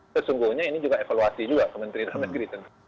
sesungguhnya ini juga evaluasi juga ke menteri dalam negeri